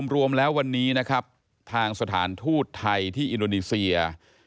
รวมแล้ววันนี้นะครับทางสถานทูตไทยที่อินโดนีเซีย